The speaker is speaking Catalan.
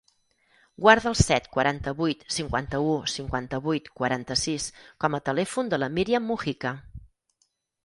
Guarda el set, quaranta-vuit, cinquanta-u, cinquanta-vuit, quaranta-sis com a telèfon de la Míriam Mujica.